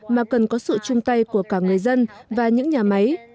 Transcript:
mà cần có sự chung tay của cả người dân và những nhà máy